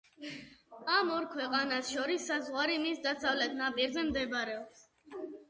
ამ ორ ქვეყანას შორის საზღვარი მის დასავლეთ ნაპირზე მდებარეობს.